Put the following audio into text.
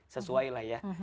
sesuai lah ya